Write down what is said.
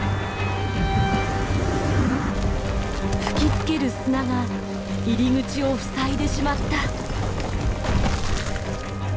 吹きつける砂が入り口を塞いでしまった。